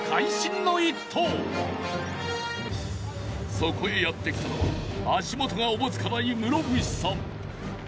そこへやって来たのは足元がおぼつかない室伏さん。